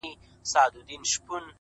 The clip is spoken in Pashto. خاموش ذهن روښانه مسیر جوړوي,